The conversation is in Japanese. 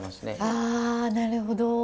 あなるほど！